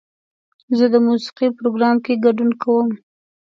زه د موسیقۍ پروګرام کې ګډون کوم.